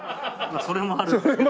それもあるんですけど。